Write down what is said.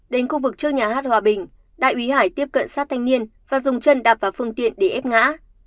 đến khu vực trước nhà hát hòa bình đại úy hải tiếp cận sát thanh niên và dùng chân đạp vào phương tiện để ép ngã